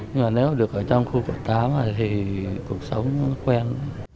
nhưng mà nếu được ở trong khu quận tám thì cuộc sống nó quen